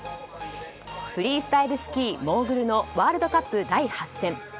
フリースタイルスキーモーグルのワールドカップ第８戦。